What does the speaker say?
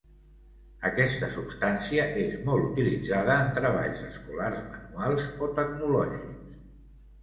Aquesta substància és molt utilitzada en treballs escolars manuals o tecnològics.